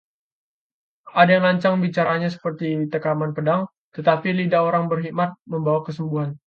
Ada yang lancang bicaranya seperti tikaman pedang, tetapi lidah orang berhikmat membawa kesembuhan.